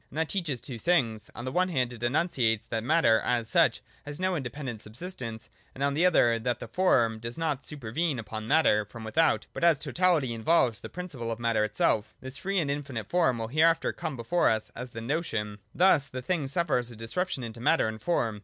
And that teaches two things. On the one hand it enunciates that matter, as such, has no independent subsistence, and on the other that the form does not supervene upon matter from without, but as a totality involves the principle of matter in itself. This free and infinite form will hereafter come before us as the notion. 129.] Thus the Thing suffers a disruption into Matter and Form.